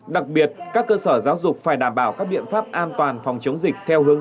đặc biệt các cơ sở giáo dục phải đảm bảo các biện pháp an toàn phòng chống dịch